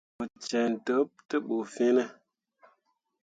Mo cen ɗeɓ te bu fine ?